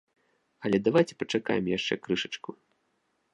Але давайце пачакаем яшчэ крышачку.